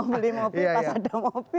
beli mobil pas ada mobil